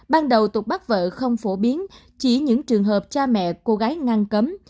ban đầu tục bắt vợ không phổ biến chỉ những trường hợp cha mẹ cô gái ngang cấm